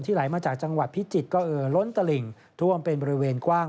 ไหลมาจากจังหวัดพิจิตรก็เอ่อล้นตลิ่งท่วมเป็นบริเวณกว้าง